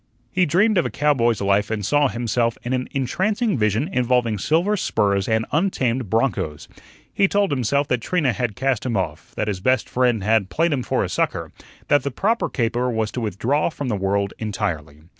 He dreamed of a cowboy's life and saw himself in an entrancing vision involving silver spurs and untamed bronchos. He told himself that Trina had cast him off, that his best friend had "played him for a sucker," that the "proper caper" was to withdraw from the world entirely.